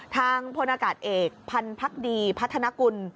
ทางพลอากาศเอกพันธ์พักดีพัฒนากุล